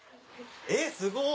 えっすごっ！